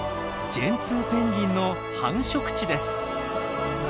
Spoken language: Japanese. ジェンツーペンギンの繁殖地です。